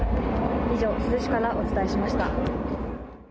以上、珠洲市からお伝えしました。